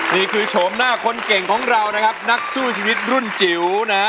โฉมหน้าคนเก่งของเรานะครับนักสู้ชีวิตรุ่นจิ๋วนะฮะ